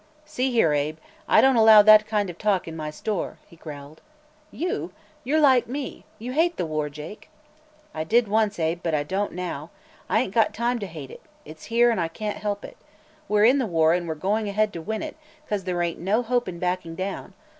"See here, Abe; I don't allow that kind of talk in my store," he growled. "You? You're like me; you hate the war, Jake." "I did once, Abe, but I don't now. I ain't got time to hate it. It's here, and I can't help it. We're in the war and we're going ahead to win it, 'cause there ain't no hope in backing down.